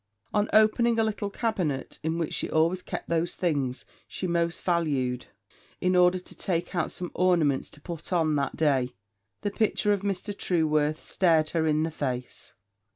On opening a little cabinet, in which she always kept those things she most valued, in order to take out some ornaments to put on that day, the picture of Mr. Trueworth stared her in the face.